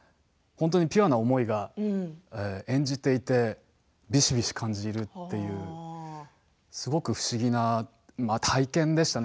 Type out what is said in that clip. ピュアな思いが演じていてびしびし感じるというすごく不思議な体験でしたね